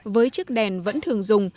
với chiếc đèn vẫn thường dùng